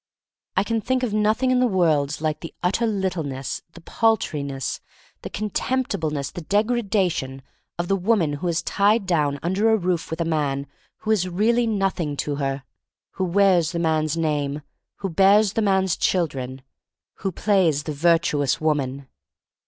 I can think of nothing in the world like the utter littleness, the paltriness, the contemptibleness, the degradation, of the woman who is tied down under a roof with a man who is really nothing to her; who wears the man's name, who bears the man's children — ^who plays 74 THE STORY OF MARY MAC LANE the virtuous woman.